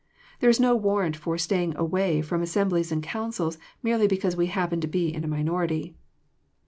There is no warrant for staying away from assemblies and councils merely because we happen to be in a minority.